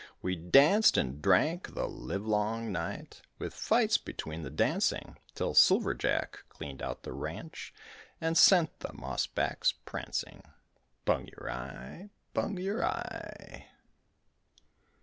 We danced and drank, the livelong night. With fights between the dancing Till Silver Jack cleaned out the ranch And sent the mossbacks prancing. Bung yer eye: bung yer eye.